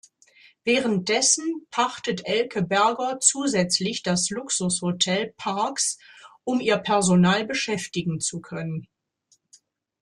Währenddessen pachtet Elke Berger zusätzlich das Luxushotel „Park’s“, um ihr Personal beschäftigen zu können.